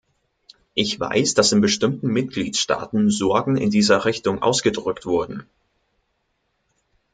Ich weiß, dass in bestimmten Mitgliedstaaten Sorgen in dieser Richtung ausgedrückt wurden.